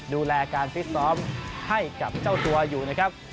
ดูแลการฟิตซ้อมให้กับเจ้าตัวอยู่นะครับ